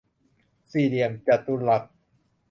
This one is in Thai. สี่เหลี่ยมจตุรัส